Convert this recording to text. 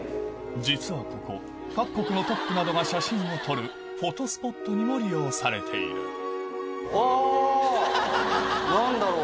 実はここ各国のトップなどが写真を撮るフォトスポットにも利用されているわぁ何だろう。